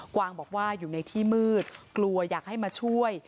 วางบอกว่าอยู่ในที่มืดกลัวอยากให้มาช่วย